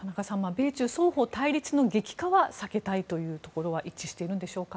米中双方、対立の激化は避けたいというところは一致しているんでしょうか。